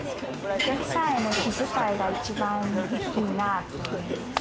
お客さんへの気遣いが一番いいなって思います。